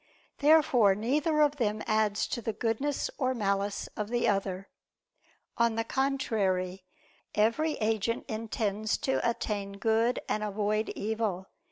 Therefore neither of them adds to the goodness or malice of the other. On the contrary, Every agent intends to attain good and avoid evil.